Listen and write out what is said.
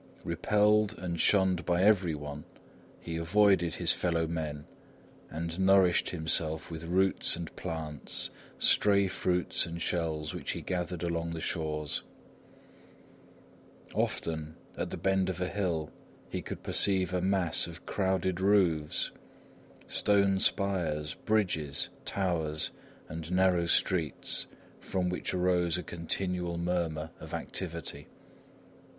Repelled and shunned by everyone, he avoided his fellow men and nourished himself with roots and plants, stray fruits and shells which he gathered along the shores. Often, at the bend of a hill, he could perceive a mass of crowded roofs, stone spires, bridges, towers and narrow streets, from which arose a continual murmur of activity.